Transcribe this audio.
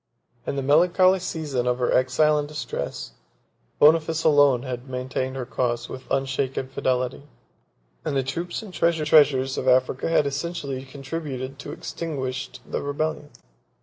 In the melancholy season of her exile and distress, Boniface alone had maintained her cause with unshaken fidelity: and the troops and treasures of Africa had essentially contributed to extinguish the rebellion.